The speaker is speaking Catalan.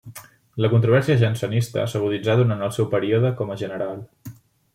La controvèrsia jansenista s'aguditzà durant el seu període com a General.